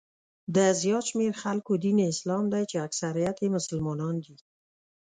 د زیات شمېر خلکو دین یې اسلام دی چې اکثریت یې مسلمانان دي.